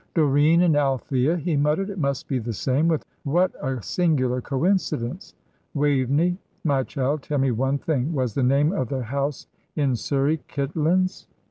"Doreen and Althea," he muttered. "It must be the same. With a singular coincidence! Waveney, my child, tell me one thing. Was the name of their house in Surrey Kitlands?"